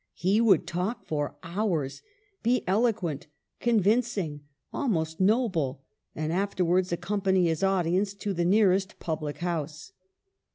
He would talk for hours : be eloquent, convin cing, almost noble ; and afterwards accompany his audience to the nearest public house.